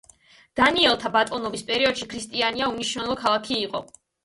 დანიელთა ბატონობის პერიოდში ქრისტიანია უმნიშვნელო ქალაქი იყო.